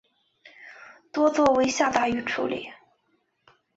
多做为下杂鱼处理。